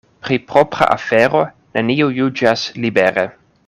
Pri propra afero neniu juĝas libere.